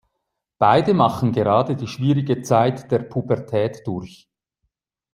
Beide machen gerade die schwierige Zeit der Pubertät durch.